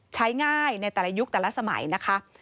ใช้ง่ายในแต่ละยุคแต่ละสมัยนะคะ